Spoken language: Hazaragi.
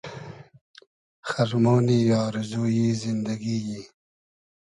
خئرمۉنی آرزو یی زیندئگی یی